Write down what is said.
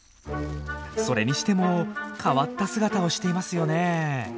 それにしても変わった姿をしていますよね。